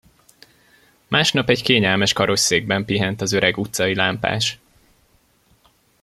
Másnap, egy kényelmes karosszékben pihent az öreg utcai lámpás.